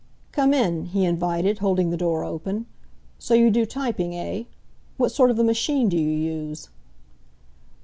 "Come in," he invited, holding the door open. "So you do typing, eh? What sort of a machine do you use?"